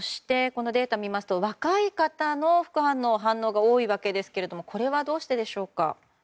このデータを見ますと若い人の副反応のデータが多いようですがこれはどうしてでしょうか。